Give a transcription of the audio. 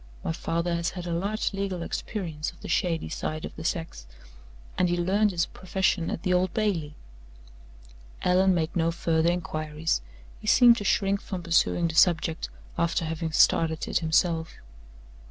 My father has had a large legal experience of the shady side of the sex, and he learned his profession at the Old Bailey." Allan made no further inquiries. He seemed to shrink from pursuing the subject, after having started it himself.